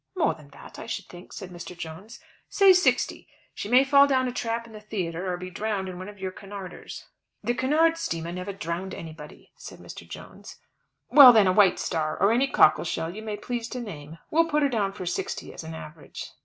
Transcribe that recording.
"More than that, I should think," said Mr. Jones. "Say sixty. She may fall down a trap in the theatre, or be drowned in one of your Cunarders." "The Cunard steamers never drown anybody," said Mr. Jones. "Well, then, a White Star or any cockle shell you may please to name. We'll put her down for sixty as an average."